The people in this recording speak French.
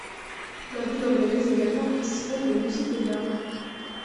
La ville organise également un festival de musique et d'arts.